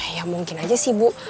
ya mungkin aja sih bu